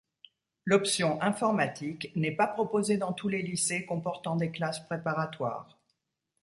L'option informatique n'est pas proposée dans tous les lycées comportant des classes préparatoires.